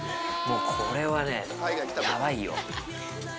これはねヤバいよ。